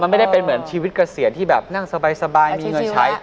มันไม่ได้เป็นเหมือนชีวิตเกษียณที่แบบนั่งสบายมีเงินใช้